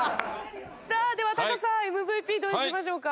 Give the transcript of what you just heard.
さあではタカさんＭＶＰどうしましょうか？